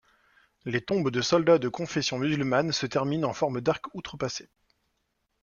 Les tombes de soldats de confession musulmane se terminent en forme d'arc outrepassé.